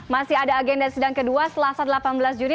masih ada agenda sidang kedua selasa delapan belas juni